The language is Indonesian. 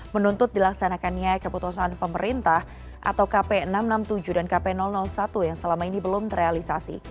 menuntut dilaksanakannya keputusan pemerintah atau kp enam ratus enam puluh tujuh dan kp satu yang selama ini belum terrealisasi